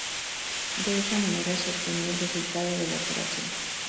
De esa manera se obtenía el resultado de la operación.